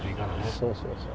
そうそうそう。